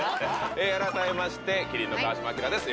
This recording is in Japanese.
改めまして麒麟の川島明です